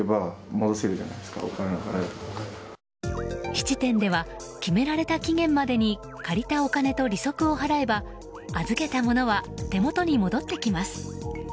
質店では決められた期限までに借りたお金と利息を払えば預けた物は手元に戻ってきます。